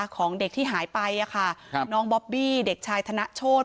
ของเด็กที่หายไปน้องบอบบี้เด็กชายธนโชธ